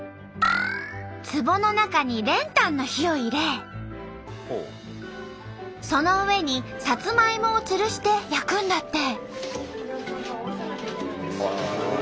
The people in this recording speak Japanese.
つぼの中に練炭の火を入れその上にサツマイモをつるして焼くんだって。